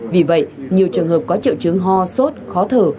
vì vậy nhiều trường hợp có trợ chứng hò sốt khó thử